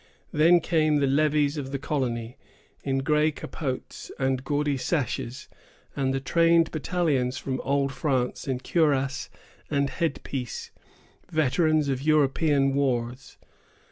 Then came the levies of the colony, in gray capotes and gaudy sashes, and the trained battalions from old France in cuirass and head piece, veterans of European wars.